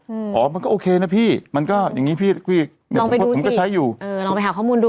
อืมอ๋อมันก็โอเคนะพี่มันก็อย่างงี้พี่พี่ผมก็ใช้อยู่เออลองไปหาข้อมูลดู